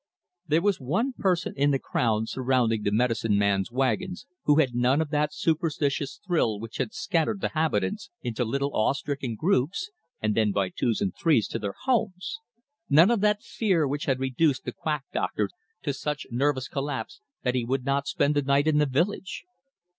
There was one person in the crowd surrounding the medicine man's wagon who had none of that superstitious thrill which had scattered the habitants into little awe stricken groups, and then by twos and threes to their homes; none of that fear which had reduced the quack doctor to such nervous collapse that he would not spend the night in the village.